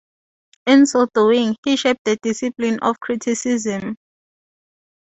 In so doing, he shaped the discipline of criticism.